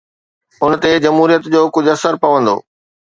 ان تي جمهوريت جو ڪجهه اثر پوندو.